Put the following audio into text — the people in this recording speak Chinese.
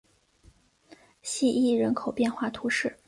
希伊人口变化图示